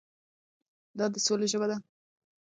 دا د سولې ژبه ده.